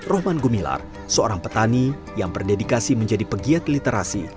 rohman gumilar seorang petani yang berdedikasi menjadi pegiat literasi